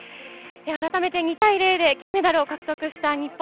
あらためて２たい０で金メダルを獲得した日本。